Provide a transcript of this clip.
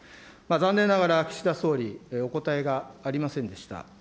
残念ながら、岸田総理、お答えがありませんでした。